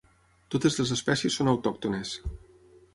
Totes les espècies són autòctones.